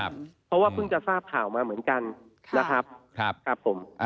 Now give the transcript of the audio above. เพราะว่าเพิ่งจะทราบข่าวมาเหมือนกันนะครับครับผม